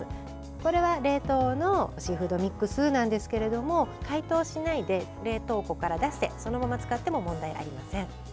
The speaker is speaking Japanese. これは冷凍のシーフードミックスですけれども解凍しないで冷凍庫から出してそのまま使っても問題ありません。